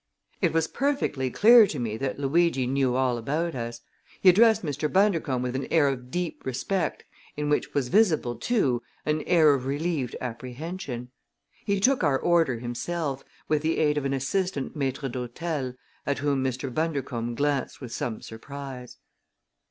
It was perfectly clear to me that Luigi knew all about us. He addressed Mr. Bundercombe with an air of deep respect in which was visible, too, an air of relieved apprehension. He took our order himself, with the aid of an assistant maître d'hôtel, at whom Mr. Bundercombe glanced with some surprise.